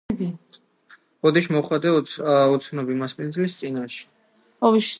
ბოდიში მოეხადა უცნობი მასპინძლის წინაშე.